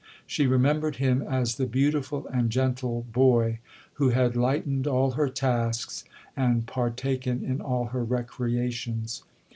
She remembered him as the beautiful and gentle boy who had lightened all her tasks, and partaken in all her recreations.